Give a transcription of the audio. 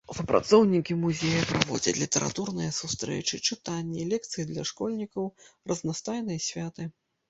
Супрацоўнікі музея праводзяць літаратурныя сустрэчы, чытанні, лекцыі для школьнікаў, разнастайныя святы.